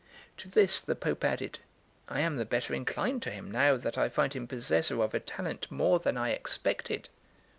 To this the Pope added: "I am the better inclined to him now that I find him possessor of a talent more than I expected.